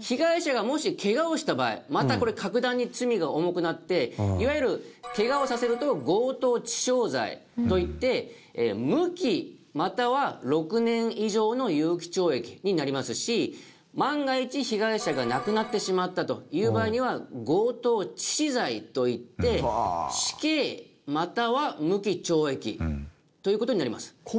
被害者がもし怪我をした場合またこれ格段に罪が重くなっていわゆる怪我をさせると強盗致傷罪といって無期または６年以上の有期懲役になりますし万が一被害者が亡くなってしまったという場合には強盗致死罪といって死刑または無期懲役という事になります。